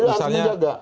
ini harus dijaga